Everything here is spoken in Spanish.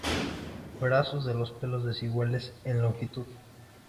Brazos de los pelos desiguales en longitud.